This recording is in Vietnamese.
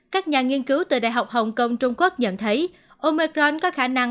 các nhà nghiên cứu từ đại học hồng kông trung quốc nhận thấy omecron có khả năng